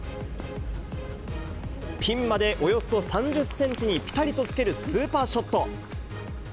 ピンまでおよそ３０センチにぴたりとつけるスーパーショット。